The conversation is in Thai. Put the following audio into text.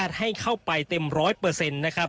อันนี้คือเต็มร้อยเป็นเต็มร้อยเปอร์เซ็นต์แล้วนะครับ